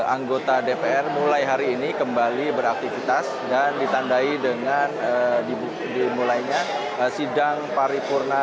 anggota dpr mulai hari ini kembali beraktivitas dan ditandai dengan dimulainya sidang paripurna